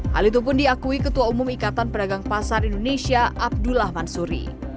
hal itu pun diakui ketua umum ikatan pedagang pasar indonesia abdullah mansuri